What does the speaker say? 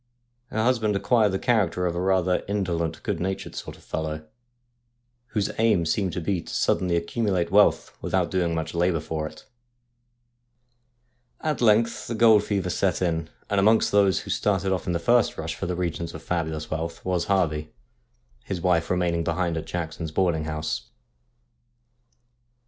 Her husband acquired the character of a rather in dolent, good natured sort of fellow, whose aim seemed to be to suddenly accumulate wealth without doing much labour for it. m2 164 STORIES WEIRD AND WONDERFUL At length the gold fever set in, and amongst those who Started off in the first rush for the regions of fabulous wealth was Harvey, his wife remaining behind at Jackson's boarding house.